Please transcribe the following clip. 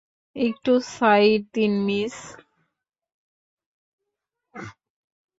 একটু সাইড দিন, মিস।